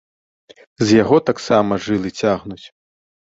З яго таксама жылы цягнуць!